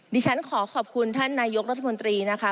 ดิฉันขอขอบคุณท่านนายกรัฐมนตรีนะคะ